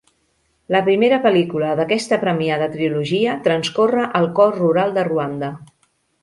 La primera pel·lícula d'aquesta premiada trilogia transcorre al cor rural de Ruanda.